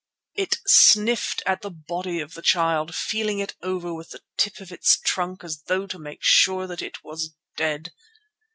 It sniffed at the body of the child, feeling it over with the tip of its trunk, as though to make sure that it was dead.